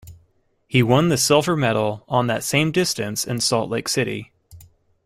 He won the silver medal on that same distance in Salt Lake City.